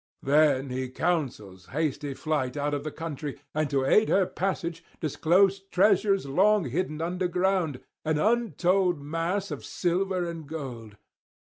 Then he counsels hasty flight out of the country, and to aid her passage discloses treasures long hidden underground, an untold mass of silver and gold.